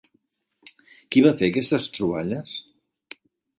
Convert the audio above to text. Qui va fer aquestes troballes?